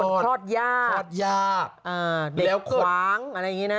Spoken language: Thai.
คลอดยากเกิดเด็กคว้างอะไรอย่างนี้นะ